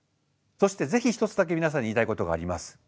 そしてぜひ一つだけ皆さんに言いたいことがあります。